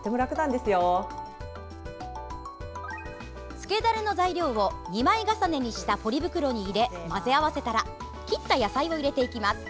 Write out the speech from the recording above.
漬けダレの材料を２枚重ねにしたポリ袋に入れ混ぜ合わせたら切った野菜を入れていきます。